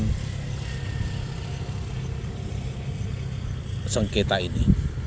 pemilu pemilu yang akan kami sampaikan di mk nantinya